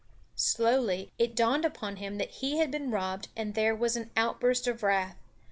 Slowly it dawned upon him that he had been robbed and there was an outburst of wrath.